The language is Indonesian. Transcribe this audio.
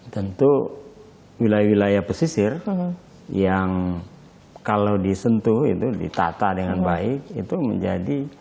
tentu wilayah wilayah pesisir yang kalau disentuh itu ditata dengan baik itu menjadi